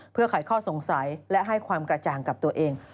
เพื่อขายข้อสงสัยและให้ความกระจ่างกับตัวเอง